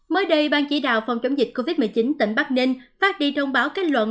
mới đây ban chỉ đạo phòng chống dịch covid một mươi chín tp hcm phát đi đồng báo kết luận